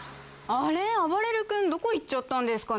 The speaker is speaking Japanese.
あばれる君どこ行っちゃったんですかね。